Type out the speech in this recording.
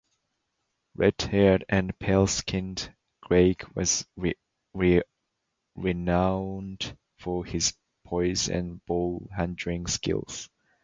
Red-haired and pale-skinned, Greig was renowned for his poise and ball handling skills.